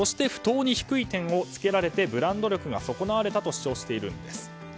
不当に低い点をつけられてブランド力が損なわれたと主張しているんです。